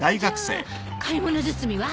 えっ買い物包みは。